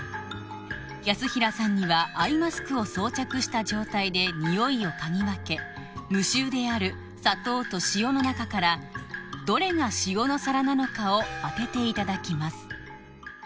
安平さんにはアイマスクを装着した状態で匂いを嗅ぎ分け無臭である砂糖と塩の中からどれが塩の皿なのかを当てていただきます